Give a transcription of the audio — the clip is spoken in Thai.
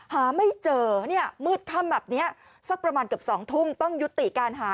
หาไม่เจอเนี่ยมืดค่ำแบบนี้สักประมาณเกือบ๒ทุ่มต้องยุติการหา